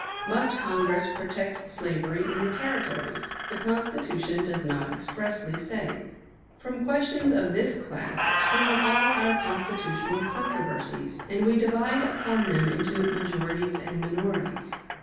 Must Congress protect slavery in the Territories? The Constitution does not expressly say. From questions of this class spring all our constitutional controversies, and we divide upon them into majorities and minorities.